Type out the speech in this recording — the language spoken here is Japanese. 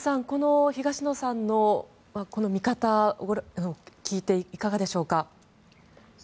この東野さんの見方を聞いていかがでしょうか。